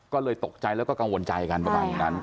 ก็เลยตกใจแล้วก็กังวลใจกันประมาณอย่างนั้น